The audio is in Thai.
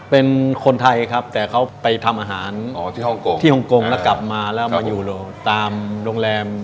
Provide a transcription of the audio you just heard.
เป็นคนไทยครับแต่เขาไปทำอาหารที่ฮ่องกงแล้วกลับมาแล้วมาอยู่ตามโรงแรม